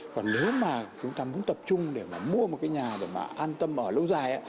còn nếu mà chúng ta muốn tập trung để mà mua một cái nhà để mà an tâm ở lâu dài